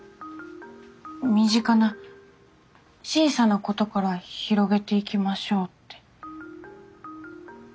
身近な小さなことから広げていきましょうって。